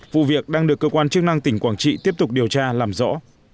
vụ việc đang được cơ quan chức năng tỉnh quảng trị tiếp tục điều tra làm rõ